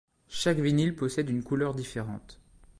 Chaque vinyle possède une couleur différente.